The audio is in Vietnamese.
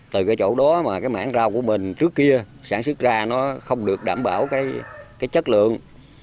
từ cái chỗ đó mà cái mảng rau của mình trước kia sản xuất ra nó không được đảm bảo cái chất lượng